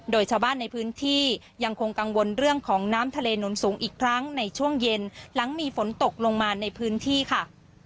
โดยชาวบ้านในพื้นที่ยังคงกังวลเรื่องของน้ำทะเลหนุนสูงอีกครั้งในช่วงเย็นหลังมีฝนตกลงมาในพื้นที่ค่ะ